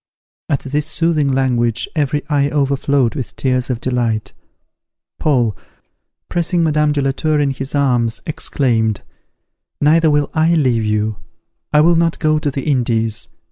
At this soothing language every eye overflowed with tears of delight. Paul, pressing Madame de la Tour in his arms, exclaimed, "Neither will I leave you! I will not go to the Indies.